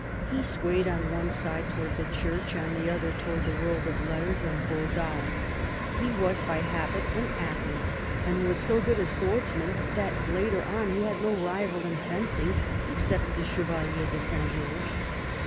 He swayed on one side towards the church, on the other towards the world of letters and beaux arts. He was by habit an athlete, and was so good a swordsman that later on he had no rival in fencing except the Chevalier de Saint George.